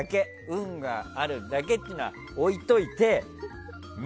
運があるだけというのは置いておいて。